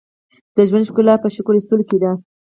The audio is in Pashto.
• د ژوند ښکلا په شکر ایستلو کې ده.